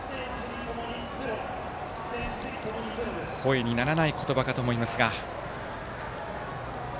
声にならない言葉かと思いますが。